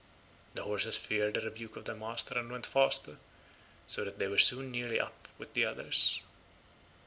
The horses feared the rebuke of their master, and went faster, so that they were soon nearly up with the others.